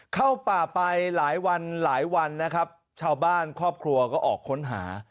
เข้าป่าไปหลายวันหลายวันนะครับชาวบ้านครอบครัวก็ออกค้นหา